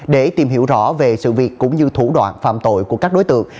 để tìm hiểu rõ về sự việc cũng như thủ đoạn phạm tội của các đối tượng